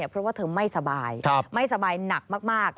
เพราะว่าเธอไม่สบายไม่สบายหนักมาก